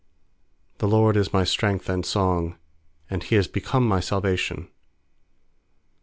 14The LORD is my strength and song; And He is become my salvation.